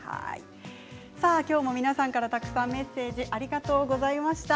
きょうも皆さんからたくさんメッセージありがとうございました。